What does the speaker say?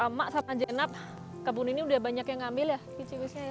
kata emak saat aja enak kebun ini udah banyak yang ngambil ya kicik kiciknya ya